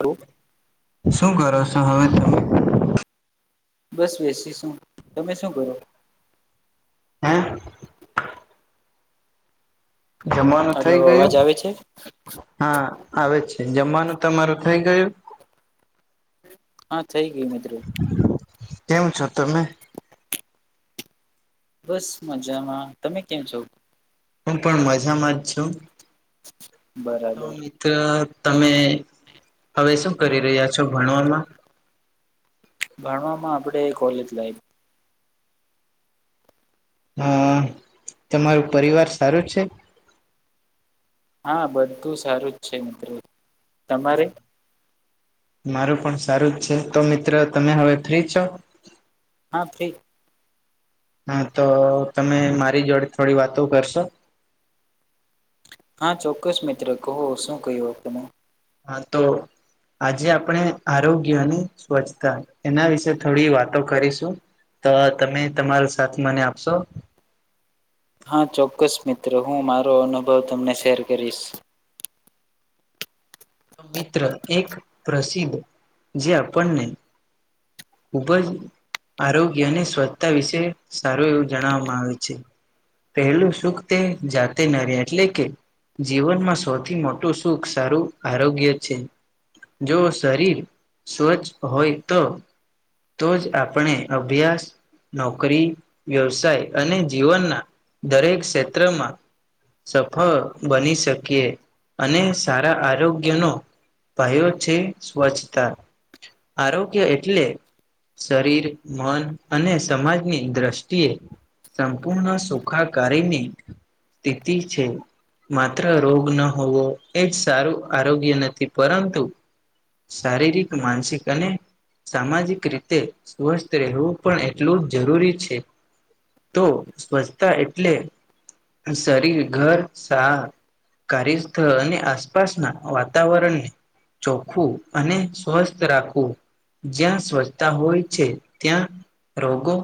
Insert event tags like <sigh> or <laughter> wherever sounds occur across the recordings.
Hello શું કરો છો હવે તમે બસ બેસી શું તમે શું કરો હે જમાનું થઇ હલો અવાજ ગયું આવે છે હા આવે છે જમવાનું તમારું થઈ ગયું હા થઈ ગયુ મિત્ર. કેમ છો, તમે બસ મજામાં તમે કેમ છો. હું પણ મજામાં જ છું, બરાબર, ત તમે હવે શું કરી રહ્યા છો, ભણવામાં. ભણવામાં આપડે કોલેજ લાઈફ, હું તમારું પરિવાર સારું છે. હા બધું સારુંજ છે, મિત્રો તમારે. મારું પણ સારું જ છે, તો મિત્ર તમે હવે ફ્રી છો. હા ફ્રી, હાતો તમે મારી જોડે થોડી વાતો કરશો. હા, ચોક્કસ મિત્રો કહો શું ક્યું તમે. હા, તો. આજે આપણે આરોગ્ય અને સ્વચ્છતા એના વિશે થોડી વાતો કરીશું, તોતમે તમારો સાથ મને આપશો‌. હા, ચોક્કસ મિત્રો હું મારો અનુભવ તમને શેર કરીશ. મિત્ર એક પ્રસિદ્ધ જે આપણને, ખુબ જ આરોગ્ય અને સ્વચ્છતા વિશે સારું એવું જણાવવામાં આવે છે. પહેલું સુખ તે જાતે નરે એટલેકે, જીવનમાં સૌથી મોટું સુખ સારું આરોગ્ય છે, જો શરીર સ્વચ્છ હોયતો, તોજ આપણે અભ્યાસ, નોકરી, વ્યવસાય અને જીવનના દરેક ક્ષેત્રમાં. સફળ બની શકીએ અને સારા આરોગ્યનો, ભાયો છે, સ્વચ્છતા આરોગ્ય એટલે. શરીર મન અને સમાજની દ્રષ્ટિએ, સંપૂર્ણ સુખાકારીની સ્થિતિ છે, માત્ર રોગન હોવો એજ સારું આરોગ્ય નથી, પરંતુ શારીરિક, માનસિક અને સામાજિક રીતે સ્વસ્થ રહેવું પણ એટલું જ જરૂરી છે, તો સ્વચ્છતા એટલે શરીર ઘર સહા. કાર્યસ્થળ અને આસપાસના વાતાવરણને, ચોખુ અને સ્વસ્થ રાખવું, જ્યાં સ્વસ્થ. હોય છે, ત્યાં રોગો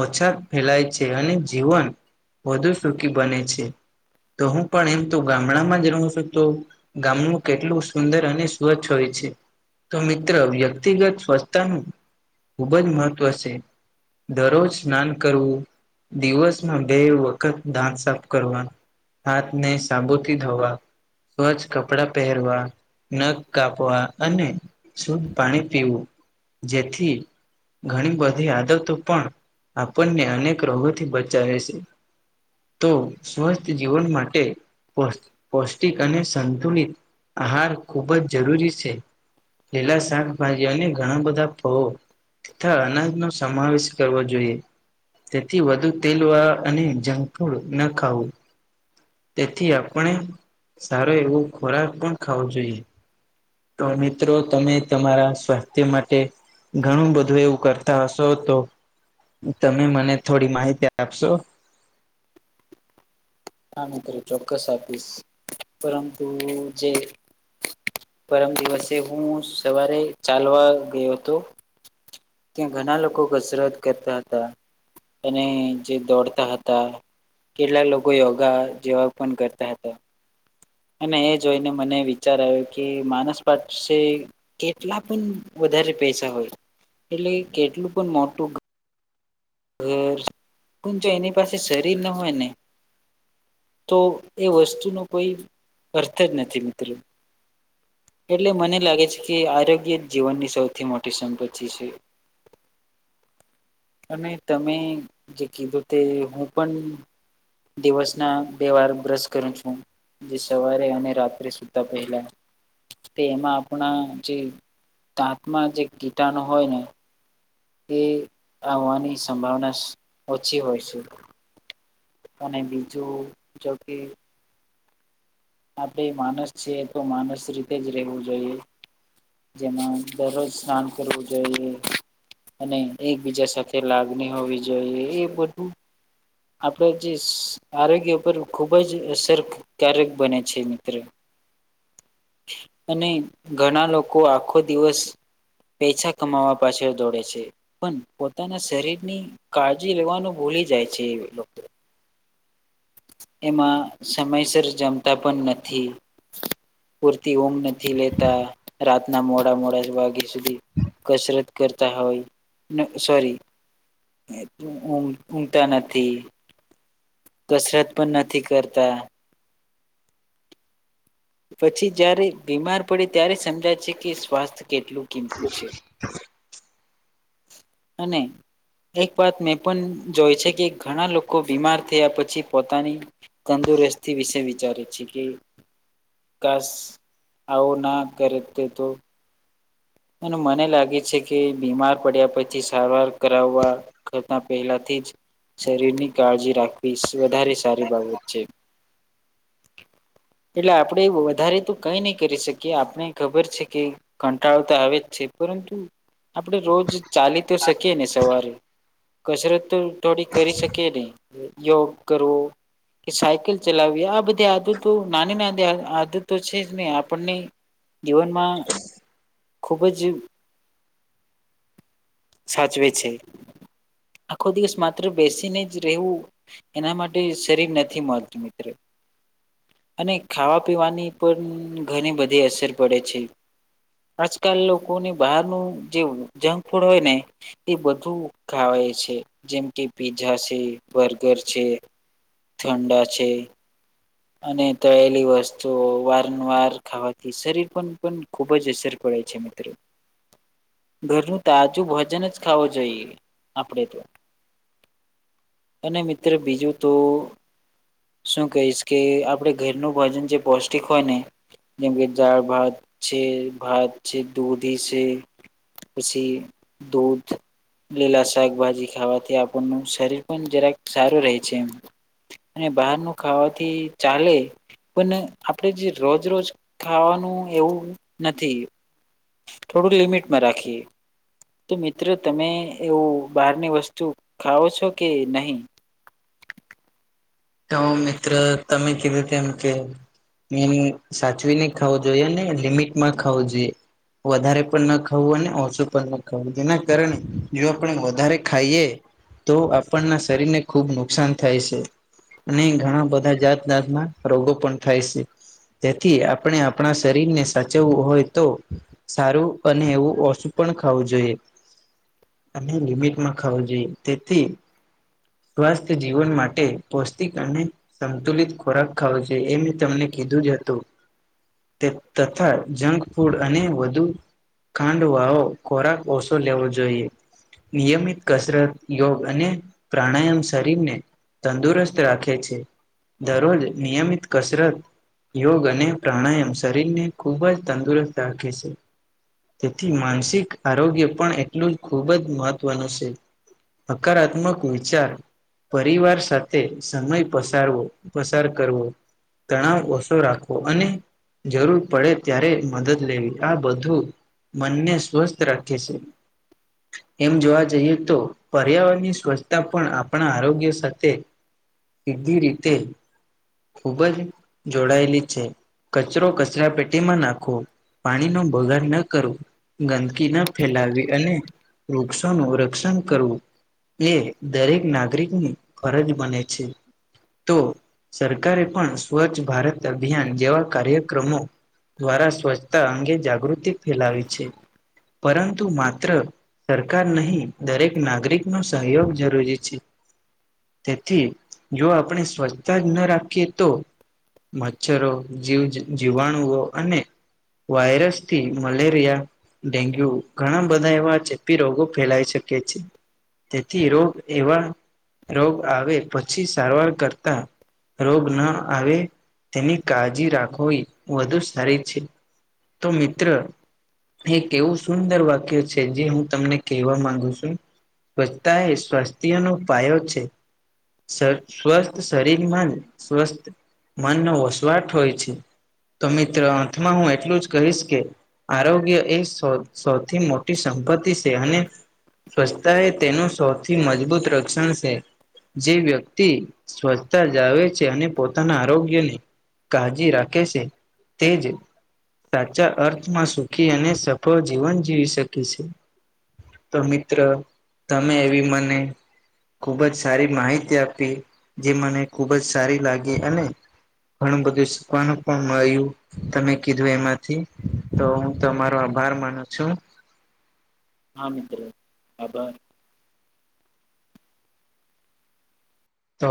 ઓછા ફેલાય છે, અને જીવન વધુ સુખી બને છે, તોહું પણ એમતો ગામડામાં જ રહું છું, તો ગામું કેટલું સુંદર અને સ્વચ્છ હોય છે, તો મિત્ર વ્યક્તિગત સ્વસ્થતાનું, ખૂબ જ મહત્વ છે, દરરોજ સ્નાન કરવું. દિવસમાં બે વખત દાન સાફ કરવાનું. હાથને સાબુથી ધોવા સ્વચ્છ કપડાં પહેરવા, નખ કાપવા અને શુદ્ધ પાણી પીવું જેથી, ઘણી બધી આદતો પણ આપણને અનેક રોગોથી બચાવે છે, તો સ્વસ્થ જીવન માટે પૌષ્ટિક અને સંતુલિ આહાર ખૂબ જ જરૂરી છે, પેલા શાકભાજી અને ઘણા બધા ફળો. થ અનાજનો સમાવેશ કરવો જોઈએ. તેથી વધુ તેલવા અને જંક ફૂડ ન ખાવું તેથી આપણે સારો એવો ખોરાક પણ ખાવો જોઈએ. તો મિત્રો તમે તમારા સ્વાસ્થ્ય માટે ઘણું બધું એવું કરતા હશોતો તમે મને થોડી માહિતી આપશો આમે કરી ચોક્કસ આપીશ પરંતુ જે પરમ દિવસે હું સવારે ચાલવા ગયો હતો. ત્યાં ઘણા લોકો કસરત કરતા હતા અને જે દોડતા હતા. કેટલાક લોકો યોગા જેવા પણ કરતા હતા. અને એ જોઈને મને વિચાર આવ્યો કે માનસ પાઠસે કેટલા પણ વધારે પૈસા હોય એટલે કેટલું પણ મોટુ ઘર હ જો એની પાસે શરીર ન હોય ને તો એ વસ્તુનો કોઈ અર્થ જ નથી મિત્રો એટલે મને લાગે છે કે આરોગ્ય જીવનની સૌથી મોટી સંપત્તિ છે. <inaudible> અને તમે જે કીધું તે હું પણ દિવસ ના બે વાર બ્રશ કરું છુ. જે સવારે અને રાત્રે સુતા પહેલા તે એમાં આપણા જે દાંતમાં જે કીટાણો હોય, ને એ આવવાની સંભાવના ઓછી હોય છે. અને બીજું જોકે આપણે માનસ છીએ તો માનસ રીતે જ રહેેવું જોઈએ. જેમાં દરરોજ સ્નાન કરવું જોઈએ. અને એકબીજા સાથે લાગણી હોવી જોઈએ એ બધુ આપડ જે આરોગ્ય ઉપર ખુબ જ અસરકારક બને છે. છે મિત્ર અને ઘણા લોકો આખો દિવસ પૈસા કમાવા પાછળ દોડે છે. પણ પોતાના શરીરની કાળજી લેવાનું ભૂલી જાય છે એ લોકો એમાં સમયસર જમતા પણ નથી. પૂરતી ઊંમ નથી લેતા, રાતના મોડા મોડા વાગ્યા સુધી કસરત કરતા હોય સોરી એટલુંમ ઊમતા નથી. કસરત પણ નથી કરતા. પછી જયારે બીમાર પડે ત્યારે સમજાય છે કે સ્વાસ્થ્ય કેટલુ <inaudible> <inaudible> અને એક વાત મેં પણ જોય છે કે ઘણા લોકો બીમાર થયા પછી પોતાની તંદુરસ્તી વિશે વિચારે છે, કે કશ આવું ના કરે તે તો અને મને લાગે છે કે બીમાર પડ્યા પછી સારવાર કરાવવા કરતા પહેલાથી જ શરીરની કાળજી રાખવી. ફી વધારે સારી બાબત છે. <inaudible> એટલે આપણેે વધારે તો કઈ નહી કરી શકીએ આપને ખબર છે, કે કંટાળો હ જ છે પરંતુ આપણે રોજ ચાલી તો શકીએ ને સવારે કસરત તો થોડી કરી શકે નહી યોગ કરવો. કે સાયકલ ચલાવીએ આ બધી આદતો નાની નાની આદતો છે ને આપણને જીવનમાં ખુબ જ સાચવે છે. આખો દિવસ માત્ર બેસીને જ રહેવું, એના માટે શરીર નથી મળતું મિત્રો. અને ખાવા પીવાની પણ ઘણી બધી અસર પડે છે. આજકાલ લોકોને બહારનું જે જંક ફૂડ હોય ને એ બધું ખાવાય છે જેમ કે પીઝા છે, બર્ગર છે ઠંડા છે. અને તળેલી વસ્તુ વારંવાર ખાવાથી શરીર પણ પણ ખુબ જ અસર પડે છે મિત્ર. <inaudible> ઘરનું તાજું ભજન જ ખાવું જોઈએ આપડે તો. અને મિત્ર બીજું તો, શું કહીશ કે આપડે ઘરનું ભોજન જે પૌષ્ટિક હોય ને જેમ કે દાળ ભાત છે, ભાત છે, દૂધી છે પછી દૂધ લીલા શાકભાજી ખાવાથી આપણનું શરીર પણ જરાક સારું રહે છે એમ અને બહારનું ખાવાથી ચાલે પણ આપડે જે રોજ રોજ ખાવાનું એવું નથી. થોડું લિમિટમાં રાખીએ. તો મિત્ર તમે એવું બહારની વસ્તુ ખાવો છો કે નહીં? તો મિત્ર તમે કીધું તેમ કે નેમુ સાચવી ને ખાવું જોઈએ ને લિમિટમાં ખાવું જોઈએ. વધારે પણ ન ખાવું અને ઓછું પણ ન ખાવું જેના કારણે જો આપણે વધારે ખાઈએ તો આપણના શરીરને ખુબ નુકસાન થાય સે. અને ઘણા બધા જાતજાતના રોગો પણ થાય સે. તેથી આપણે આપણા શરીરને સાચવવું હોય તો સારું અને એવું ઓછું પણ ખાવું જોઈએ. અને લિમિટમાં ખાવું જોઈએ તેથી સ્વાસ્થ જીવન માટે પૌષ્ટિક અને સંતુલિત ખોરાક ખાવો જોઈએ એમ તમને કીધું જ હતું. તે તથા જંક ફૂડ અને વધુ ખાંડવાળો ખોરાક ઓછો લેવો જોઈએ. નિયમિત કસરત, યોગ અને પ્રાણાયમ શરીરને તંદુરસ્ત રાખે છે. દરરોજ નિયમિત કસરત યોગ અને પ્રાણાયમ શરીરને ખૂબ જ તંદુરસ્ત રાખે સે. તેથી માનસિક આરોગ્ય પણ એટલું જ ખુબ જ મહત્વનું સે. હકારાત્મક ઉર ચાર પરિવાર સાથે સમય પસારવો પસાર કરવો તણાવ ઓસો રાખવો અને જરૂર પડે ત્યારે મદદ લેવી આ બધું મનને સ્વસ્થ રાખે સે. એમ જોવા જઈએ તો પર્યાવરણની સ્વસ્ તા પણ આપણા આરોગ્ય સાથે સીધી રીતે ખુબ જ જોડાયેલી છે. કચરો કચરા પેટીમાં નાખો પાણીનો બગાડ ન કરો. ગંદકી ન ફેલાવી અને વૃક્ષોનું રક્ષણ કરવું એ દરેક નાગરિકની ફરજ બને છે. તો સરકારે પણ સ્વચ્છ ભારત અભિયાન જેવા કાર્યક્રમો દ્વારા સ્વચ્છતા અંગે જાગૃતિ ફેલાવે છે. પરંતુ માત્ર સરકાર નહીં દરેક નાગરિકનો સહયોગ જરૂરી છે, તેથી જો આપણે સ્વચ્છતા જ ન રાખીએ તો મચ્છરો, જીવ જી જીવાણુઓ અને વાયરસથી મલેરિયા ડેન્ગ્યુ ઘણા બધા એવા ચેપી રોગો ફેલાઈ શકે છે તેથી રો એવા રોગ આવે પછી સારવાર કરતા રોગ ના આવે તેની કાળજી રાખવી વધુ સારી છે. તો મિત્ર. એક એવું સુંદર વાક્ય છે જે હું તમને કહેવા માંગુ છું. સ્વચ્છતા એ સ્વાસ્થ્યનો પાયો છે. સ્વસ્થ શરીરમાં સ્વસ્થ મનનો વસવાટ હોય છે. તો મિત્ર અંતમાં હું એટલું જ કહીશ કે, આરોગ્ય એ સૌથી મોટી સંપત્તિ છે અને. સ્વચ્છતા એ તેનું સૌથી મજબૂત રક્ષણ છે. જે વ્યક્તિ સ્વચ્છતા જાવે છે અને પોતાના આરોગ્યને કાળજી રાખે છે તેજ સાચા અર્થમાં સુખી અને સફળ જીવન જીવી શકે છે. તો મિત્ર તમે એવી મને. ખૂબ જ સારી માહિતી આપી જે મને ખૂબ જ સારી લાગી અને ઘણું બધું શીખવાનું પણ મળયું. તમે કીધું એમાંથી તો હું તમારો આભાર માનું છું. હા મિત્ર આભાર. તો